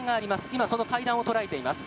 今、その階段を捉えています。